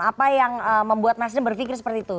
apa yang membuat nasdem berpikir seperti itu